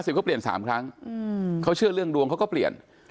ห้าสิบเขาเปลี่ยนสามครั้งอืมเขาเชื่อเรื่องดวงเขาก็เปลี่ยน